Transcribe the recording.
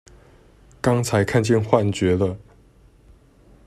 剛才看見幻覺了！